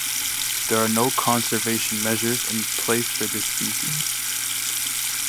There are no conservation measures in place for this species.